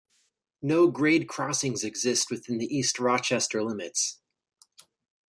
No grade crossings exist within the East Rochester limits.